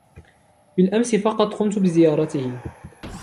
بالأمس فقط قمت بزيارته.